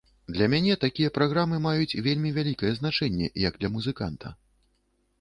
Для мяне такія праграмы маюць вельмі вялікае значэнне як для музыканта.